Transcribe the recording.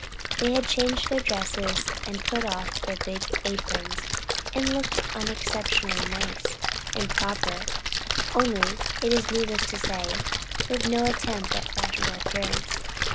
They had all changed their dresses and put off their big aprons, and looked unexceptionably nice and proper; only, it is needless to say, with no attempt at a fashionable appearance.